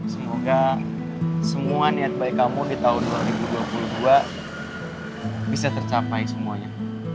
sehingga semua niat baik kamu di tahun dua ribu dua puluh dua bisa tercapai semuanya